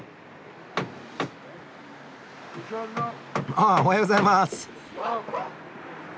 ああおはようございます。